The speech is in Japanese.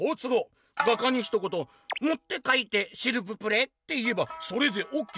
画家にひと言『盛って描いてシルブプレ！』って言えばそれでオッケー！」。